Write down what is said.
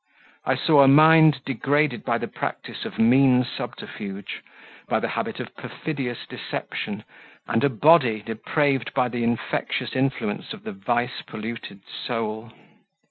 I saw a mind degraded by the practice of mean subterfuge, by the habit of perfidious deception, and a body depraved by the infectious influence of the vice polluted soul.